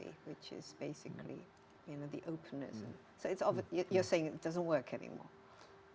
yang adalah secara dasarnya kebukaan